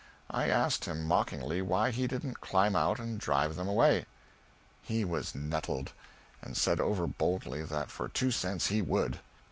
I asked him, mockingly, why he didn't climb out and drive them away. He was nettled, and said over boldly that for two cents he would.